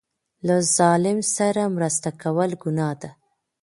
له ظالم سره مرسته کول ګناه ده.